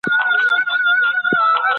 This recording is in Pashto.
مشکل حل کول د کورنۍ د پلار لومړنۍ دنده ده.